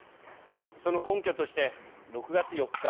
その根拠として６月４日